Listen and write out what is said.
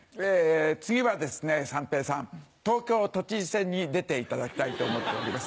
次はですね三平さん東京都知事選に出ていただきたいと思っております。